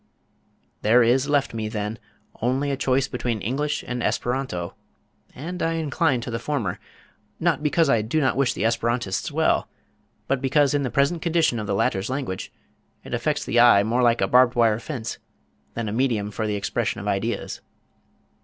There is left me then only a choice between English and Esperanto, and I incline to the former, not because I do not wish the Esperantists well, but because in the present condition of the latter's language, it affects the eye more like a barbed wire fence than a medium for the expression of ideas.